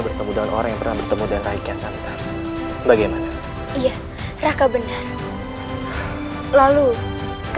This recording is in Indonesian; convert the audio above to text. bertemu dengan orang yang pernah bertemu dengan rakyat santa bagaimana iya raka benar lalu